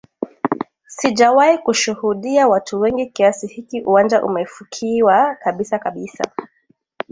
sijawahi kushuhudia watu wengi kiasi hiki uwanja umefukiwa kabisa kabisa